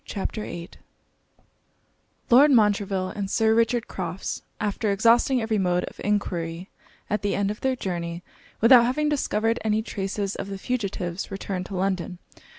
CHAPTER VIII Lord Montreville and Sir Richard Crofts, after exhausting every mode of enquiry at the end of their journey, without having discovered any traces of the fugitives, returned to London.